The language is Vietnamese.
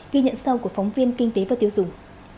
ghi nhận sau của phóng viên kinh tế và tiêu dùng